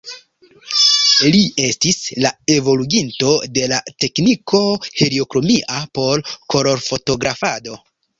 Li estis la evoluginto de la tekniko heliokromia por kolorfotografado.